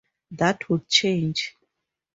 That would change.